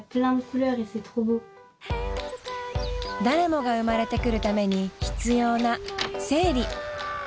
誰もが生まれてくるために必要な生理。